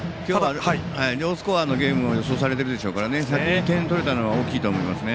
ロースコアのゲームを予想されているでしょうから先に点を取れたのは大きいと思いますね。